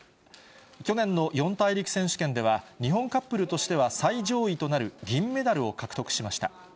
去年の四大陸選手権では、日本カップルとしては最上位となる銀メダルを獲得しました。